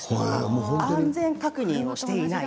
安全確認をしていない。